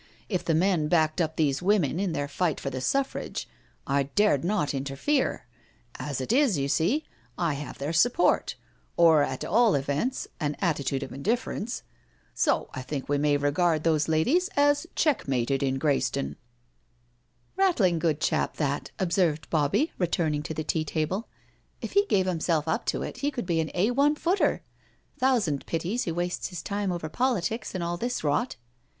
If the men backed up these women in their fight for the Suffrage, I dared not interfere— as it is, you See, I have their support, or at all events an atti BRACKENHILL HALL 39 tude of indifference— so I think we may regard those ladies as check mated in Greyston/* " Rattling good chap that/' observed Bobbie, return ing to the tea table. *' If he gave himself up to it he could be an A I footer— thousand pities he wastes his time over politics and all this rot."